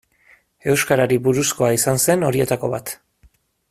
Euskarari buruzkoa izan zen horietako bat.